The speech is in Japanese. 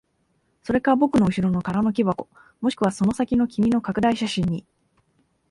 それか僕の後ろの空の木箱、もしくはその先の君の拡大写真に。